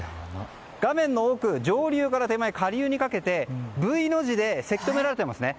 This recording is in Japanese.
画面の奥、上流から手前、下流にかけてＶの字でせき止められていますね。